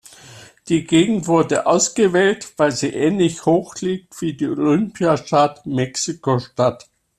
Die Gegend wurde ausgewählt, weil sie ähnlich hoch liegt wie die Olympiastadt Mexiko-Stadt.